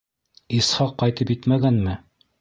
— Исхаҡ ҡайтып етмәгәнме?